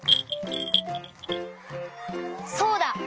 そうだ！